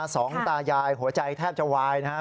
สองตายายหัวใจแทบจะวายนะครับ